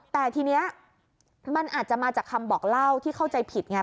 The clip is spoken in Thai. แต่ทีนี้มันอาจจะมาจากคำบอกเล่าที่เข้าใจผิดไง